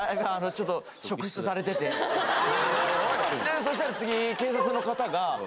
そしたら次警察の方が。